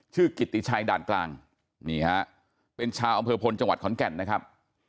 กิตติชัยด่านกลางนี่ฮะเป็นชาวอำเภอพลจังหวัดขอนแก่นนะครับ